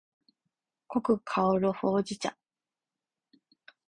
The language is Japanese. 濃く香るほうじ茶